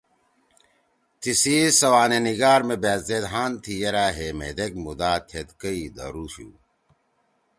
تیِسی سوانح نِگار مے بأت زید ہان تھی یرأ ہے مھیدیک مُدا تھید کئی دھرُوشُو